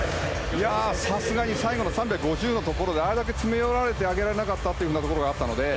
さすがに最後の３５０のところであれだけ詰め寄られて上げられなかったのがあったので。